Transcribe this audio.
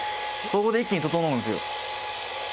ここで一気に整うんですよ。